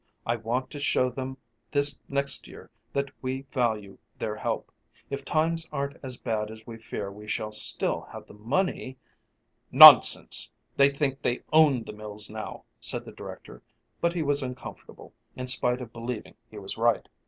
I want to show them this next year that we value their help. If times aren't as bad as we fear we shall still have the money " "Nonsense. They think they own the mills now," said the director, but he was uncomfortable, in spite of believing he was right.